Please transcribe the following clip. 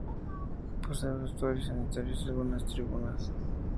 Posee vestuarios, sanitarios y algunas tribunas.